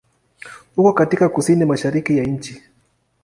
Uko katika kusini-mashariki ya nchi.